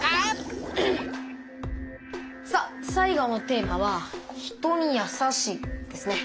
さあ最後のテーマは「人にやさしい」ですね。